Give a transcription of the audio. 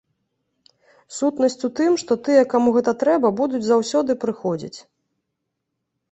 Сутнасць у тым, што тыя, каму гэта трэба, будуць заўсёды прыходзіць.